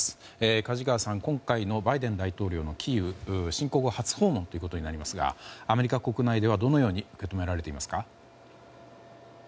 梶川さん、今回のバイデン大統領キーウへは侵攻後、初訪問となりますがアメリカ国内ではどのように受け止められていますか？